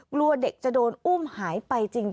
กลัวเด็กจะโดนอุ้มหายไปจริง